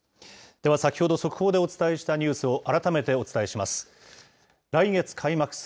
では、先ほど速報でお伝えしたニュースを改めてお伝えします。